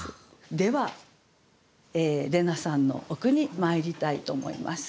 では怜奈さんのお句にまいりたいと思います。